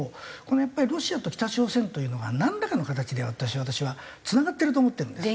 やっぱりロシアと北朝鮮というのがなんらかの形で私はつながってると思ってるんです。